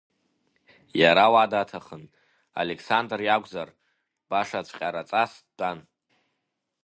Иара уа даҭахын, Алеқсандр иакәзар, баша цәҟьараҵас дтәан.